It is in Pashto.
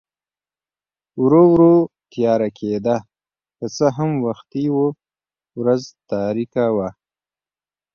ورو ورو تیاره کېده، که څه هم وختي و، ورځ تاریکه وه.